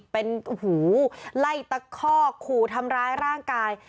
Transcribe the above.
เป็นไล่ตะคอกขู่ทำร้ายร่างกาย